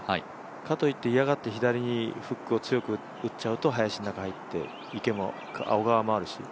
かといって嫌がって左にフックを強く打っちゃうと林の中に入って、小川もあるし。